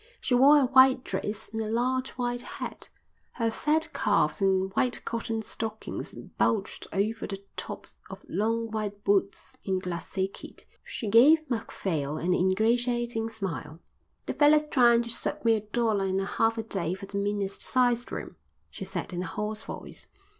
She wore a white dress and a large white hat. Her fat calves in white cotton stockings bulged over the tops of long white boots in glacé kid. She gave Macphail an ingratiating smile. "The feller's tryin' to soak me a dollar and a half a day for the meanest sized room," she said in a hoarse voice.